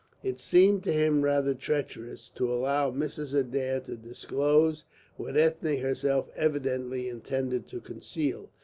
It seemed to him rather treacherous to allow Mrs. Adair to disclose what Ethne herself evidently intended to conceal.